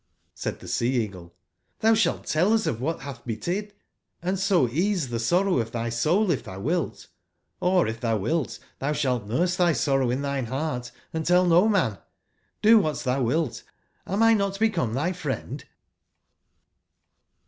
''j^Said tbe Sea/eagle: ''ITbou sbalt tell us of wbat batb betid, and so ease tbe sorrow of tby soul if tbou wilt. Or if tbou wilt, tbou sbalt nurse tby sorrow in tbine beart and tell no man. Do wbat tbou wilt; am 1 not become tby fnend?"